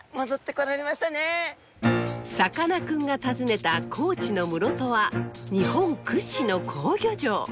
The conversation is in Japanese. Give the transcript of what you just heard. さかなクンが訪ねた高知の室戸は日本屈指の好漁場！